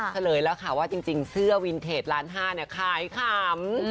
เฉลยแล้วค่ะว่าจริงเสื้อวินเทจล้านห้าเนี่ยขายขำ